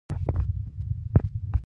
د خولې په کونجونو کښې يې سپين ځګ ښکارېده.